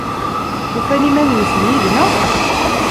Ufan iman-nsen yid-neɣ?